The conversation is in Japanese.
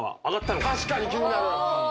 確かに気になる！